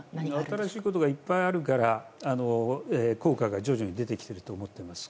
新しいことがいっぱいあるから効果が徐々に出てきていると思います。